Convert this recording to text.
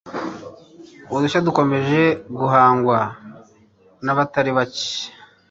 Udushya dukomeje guhangwa nabatari bacye